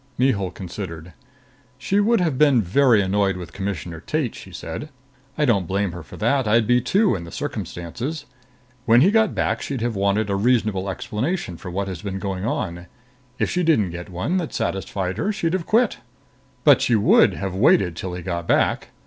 Mihul considered. "She would have been very annoyed with Commissioner Tate," she said. "I don't blame her for that I'd be, too, in the circumstances. When he got back, she'd have wanted a reasonable explanation for what has been going on. If she didn't get one that satisfied her, she'd have quit. But she would have waited till he got back.